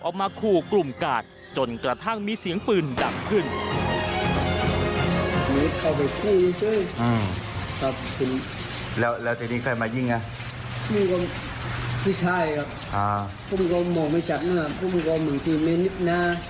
ออกมาขู่กลุ่มกาดจนกระทั่งมีเสียงปืนดังขึ้น